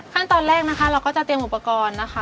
ขั้นตอนแรกนะคะเราก็จะเตรียมอุปกรณ์นะคะ